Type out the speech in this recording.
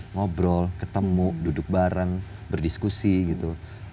ngobrol ketemu duduk bareng berdiskusi gitu